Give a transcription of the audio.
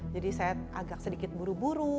jadi saya agak sedikit buru buru